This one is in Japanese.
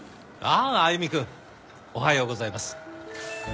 ああ歩くんおはようございます。